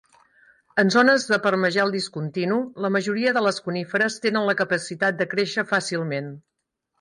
En zones de permagel discontinu, la majoria de les coníferes tenen la capacitat de créixer fàcilment.